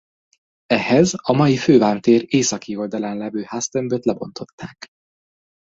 Ehhez a mai Fővám tér északi oldalán levő háztömböt lebontották.